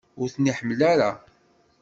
Ur ten-iḥemmel ara?